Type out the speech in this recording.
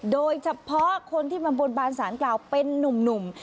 โดยเฉพาะคนที่มาบนบานสารกล่าวเป็นนุ่ม